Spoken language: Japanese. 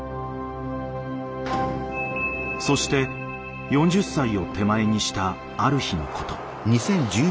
そして４０歳を手前にしたある日のこと。